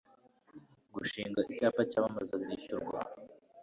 gushinga icyapa cyamamaza birishyurwa